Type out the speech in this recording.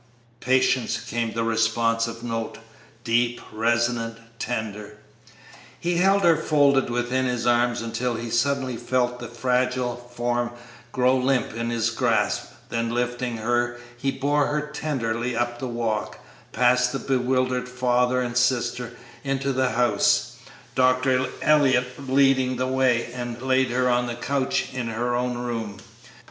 "Patience!" came the responsive note, deep, resonant, tender. He held her folded within his arms until he suddenly felt the fragile form grow limp in his clasp, then, lifting her, he bore her tenderly up the walk, past the bewildered father and sister, into the house, Dr. Elliott leading the way, and laid her on a couch in her own room.